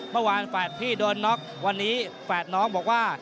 แฝดพี่โดนน็อกวันนี้แฝดน้องบอกว่า